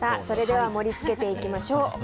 それでは盛り付けていきましょう。